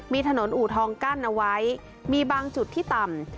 มีถนนอู่ทองกั้นเอาไว้มีบางจุดที่ต่ำ